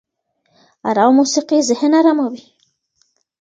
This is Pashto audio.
ارامه موسيقي ذهن اراموي